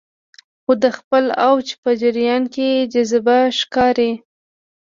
خو د خپل اوج په جریان کې جذابه ښکاري